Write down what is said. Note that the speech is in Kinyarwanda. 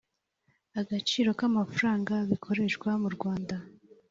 agaciro k amafaranga bikoreshwa mu rwanda